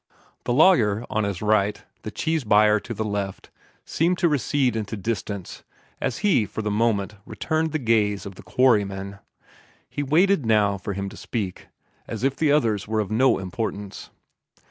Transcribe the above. The lawyer on his right, the cheese buyer to the left, seemed to recede into distance as he for the moment returned the gaze of the quarryman. He waited now for him to speak, as if the others were of no importance.